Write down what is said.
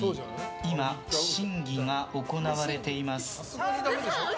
今、審議が行われています。